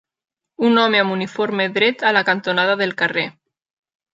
Un home amb uniforme dret a la cantonada del carrer